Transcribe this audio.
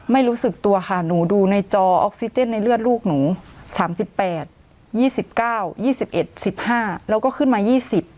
ไม่รู้สึกตัวค่ะหนูดูในจอออกซิเจนในเลือดลูกหนูสามสิบแปดยี่สิบเก้ายี่สิบเอ็ดสิบห้าแล้วก็ขึ้นมา๒๐